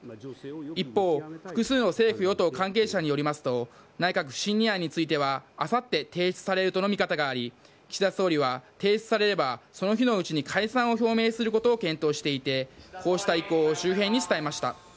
一方、複数の政府与党関係者によりますと内閣不信任案についてはあさって提出されるとの見方があり岸田総理は、提出されればその日のうちに解散を表明することを検討していてこうした意向を周辺に伝えました。